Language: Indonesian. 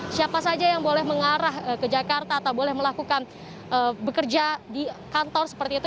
siapa saja yang boleh mengarah ke jakarta atau boleh melakukan bekerja di kantor seperti itu